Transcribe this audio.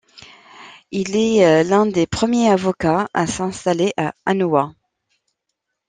Il est un des premiers avocats à s'installer à Hanoï.